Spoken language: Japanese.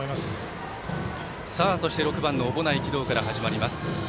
そして、６番の小保内貴堂から始まります。